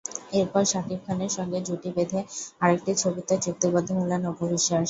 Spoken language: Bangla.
এরপর শাকিব খানের সঙ্গে জুটি বেঁধে আরেকটি ছবিতে চুক্তিবদ্ধ হলেন অপু বিশ্বাস।